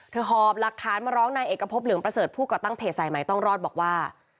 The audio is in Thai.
หอบหลักฐานมาร้องนายเอกพบเหลืองประเสริฐผู้ก่อตั้งเพจสายใหม่ต้องรอดบอกว่า